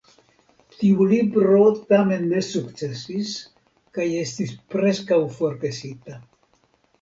Tiu libro tamen ne sukcesis kaj estis preskaŭ forgesita.